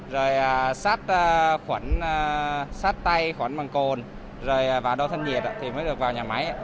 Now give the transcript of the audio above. rồi sát tay khoảng bằng cồn rồi vào đô thân nhiệt thì mới được vào nhà máy